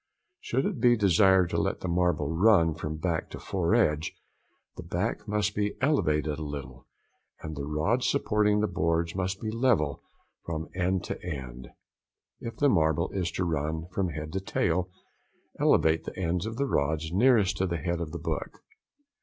Should it be desired to let the marble run from back to foredge the back must be elevated a little, and the rods supporting the boards must be level from end to end. If the marble is to run from head to tail, elevate the ends of the rods nearest to the head of the book.